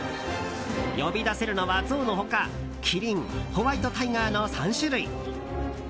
呼び出せるのはゾウの他、キリンホワイトタイガーの３種類。